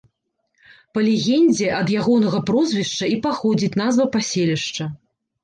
Па легендзе ад ягонага прозвішча і паходзіць назва паселішча.